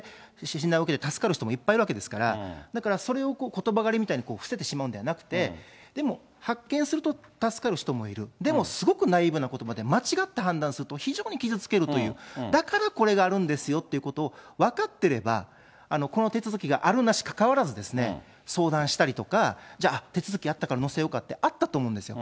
それで、助かる人もいっぱいいるわけですから、だからそれをことば狩りみたいにふせてしまうのではなく、でも発見すると助かる人もいる、でもすごくナイーブなことばで、間違って判断すると、非常に傷つけるという、だからこれがあるんですよっていうことを分かってれば、この手続きがある、なしかかわらず、相談したりとか、じゃあ手続きあったから乗せようかって、あったと思うんですよ。